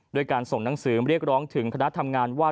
ด้วยการส่งหนังสือเรียกร้องถึงคณะทำงานว่า